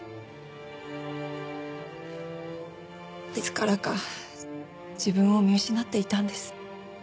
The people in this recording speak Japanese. いつからか自分を見失っていたんです。